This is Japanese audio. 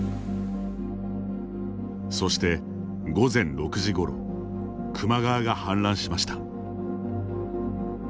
そして、午前６時ごろ球磨川が氾濫しました。